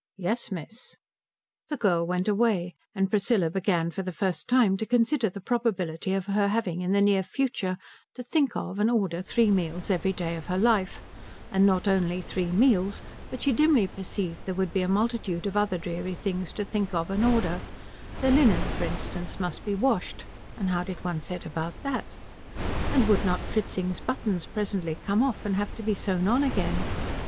"Yes miss." The girl went away, and Priscilla began for the first time to consider the probability of her having in the near future to think of and order three meals every day of her life; and not only three meals, but she dimly perceived there would be a multitude of other dreary things to think of and order, their linen, for instance, must be washed, and how did one set about that? And would not Fritzing's buttons presently come off and have to be sewn on again?